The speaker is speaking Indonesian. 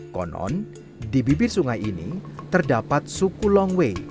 konon di bibir sungai ini terdapat suku long wei